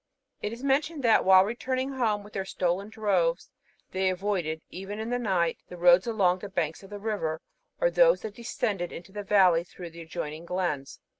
It is mentioned that, while returning home with their stolen droves, they avoided, even in the night, the roads along the banks of the river, or those that descend to the valley through the adjoining glens.